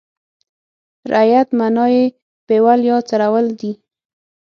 رعیت معنا یې پېول یا څرول دي.